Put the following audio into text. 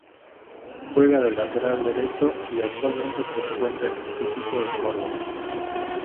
Juega de lateral derecho y actualmente se encuentra en instituto de Córdoba.